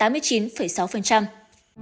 cảm ơn các bạn đã theo dõi và hẹn gặp lại